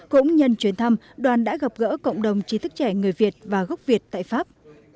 cũng nhân chuyến thăm đoàn đã gặp gỡ cộng đồng trí thức trẻ người việt và gốc việt tại pháp